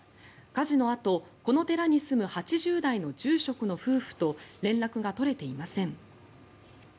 火事のあと、この寺に住む８０代の住職の夫婦と連絡が取れていません。